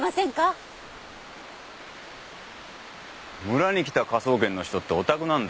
村に来た科捜研の人っておたくなんだ。